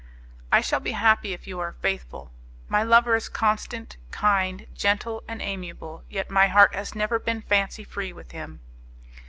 "I shall be happy if you are faithful. My lover is constant, kind, gentle and amiable; yet my heart has ever been fancy free with him."